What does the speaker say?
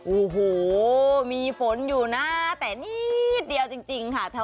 โอ้โหมีฝนอยู่นะแต่นิดเดียวจริงค่ะ